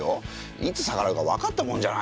いつ逆らうか分かったもんじゃないですよ。